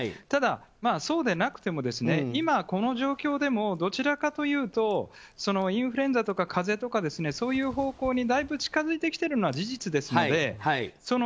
ただ、そうでなくても今、この状況でもどちらかというとインフルエンザとか風邪とかそういう方向にだいぶ近づいてきているのは事実ですので。